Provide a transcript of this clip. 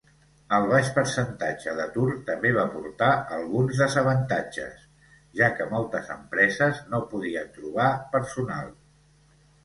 El baix percentatge d'atur també va portar alguns desavantatges, ja que moltes empreses no podien trobar personal.